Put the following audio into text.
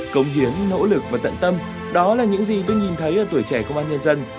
công hiến nỗ lực và tận tâm đó là những gì tôi nhìn thấy ở tuổi trẻ công an nhân dân